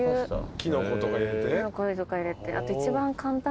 キノコとか入れてあと。